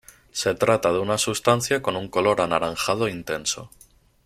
Se trata de una sustancia con un color anaranjado intenso.